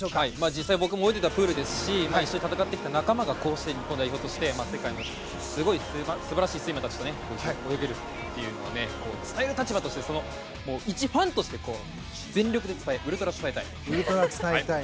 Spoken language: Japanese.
実際僕も泳いでいたプールですし一緒に戦ってきた仲間がこうして代表として世界の素晴らしいスイマーたちと泳げるというのは伝える立場としていちファンとして全力でウルトラ伝えたい。